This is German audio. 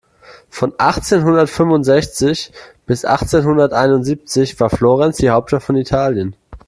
Von achtzehnhundertfünfundsechzig bis achtzehnhunderteinundsiebzig war Florenz die Hauptstadt von Italien.